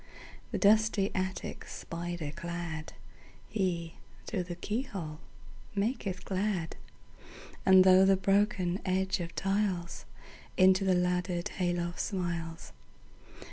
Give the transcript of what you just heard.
The dusty attic spider cladHe, through the keyhole, maketh glad; And through the broken edge of tiles, Into the laddered hay loft smiles.